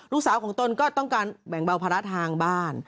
ลูกสาวของตนก็ต้องการแบ่งเบาภาระทางบ้าน